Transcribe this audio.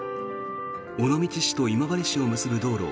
尾道市と今治市を結ぶ道路